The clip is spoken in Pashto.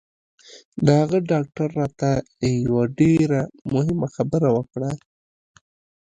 د هغه ډاکتر راته یوه ډېره مهمه خبره وکړه